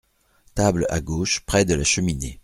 Table à gauche près de la cheminée.